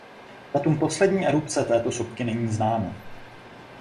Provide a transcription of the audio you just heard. Datum poslední erupce této sopky není známo.